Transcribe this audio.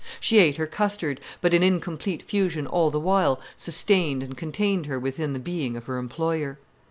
She ate her custard, but an incomplete fusion all the while sustained and contained her within the being of her employer.